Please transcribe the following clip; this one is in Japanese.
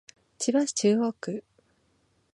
千葉市中央区